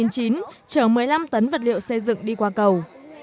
chở một mươi năm tấn vật liệu xây dựng đi qua cầu